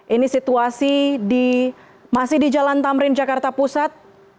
ini situasi masih di jalan tamrin jakarta pusat